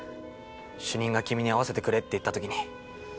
主任が君に会わせてくれって言った時に。